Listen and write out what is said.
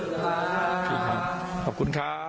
เดินลา